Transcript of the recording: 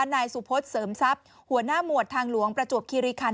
นายสุพศเสริมทรัพย์หัวหน้าหมวดทางหลวงประจวบคิริคัน